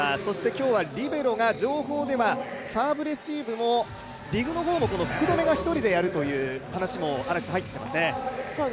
今日はリベロが情報ではサーブレシーブもディグの方も福留が１人でやるという話も入っていますね。